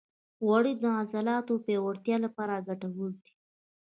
غوړې د عضلاتو پیاوړتیا لپاره ګټورې دي.